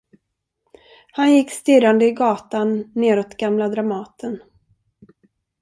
Han gick stirrande i gatan nedåt gamla Dramaten.